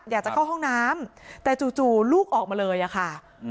อยากจะเข้าห้องน้ำแต่จู่ลูกออกมาเลยอะค่ะ